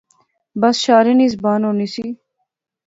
بس شارے نی زبان ہونی سی